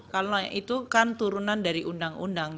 kalau itu kan turunan dari undang undang